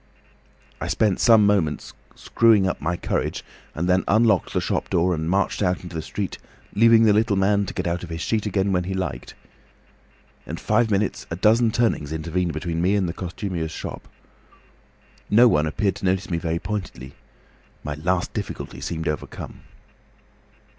"I spent some minutes screwing up my courage and then unlocked the shop door and marched out into the street, leaving the little man to get out of his sheet again when he liked. In five minutes a dozen turnings intervened between me and the costumier's shop. No one appeared to notice me very pointedly. My last difficulty seemed overcome."